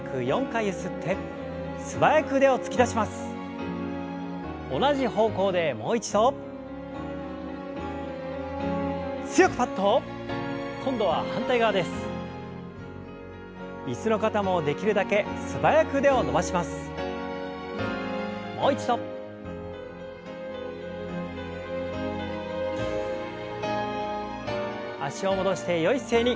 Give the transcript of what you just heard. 脚を戻してよい姿勢に。